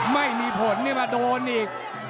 ไม่มีผลมาโดนอีก